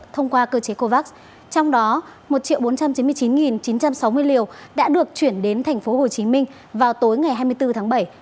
thông qua cơ chế covax trong đó một bốn trăm chín mươi chín chín trăm sáu mươi liều đã được chuyển đến tp hcm vào tối ngày hai mươi bốn tháng bảy